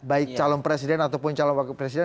baik calon presiden ataupun calon wakil presiden